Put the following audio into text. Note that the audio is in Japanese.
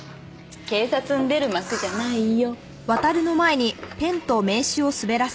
警察の出る幕じゃないよ。